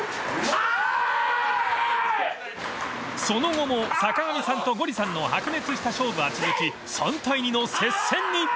［その後も坂上さんとゴリさんの白熱した勝負は続き３対２の接戦に］